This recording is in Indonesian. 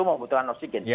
mereka membutuhkan oksigen